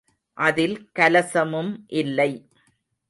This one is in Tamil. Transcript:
அதில் கலசமும் இல்லை.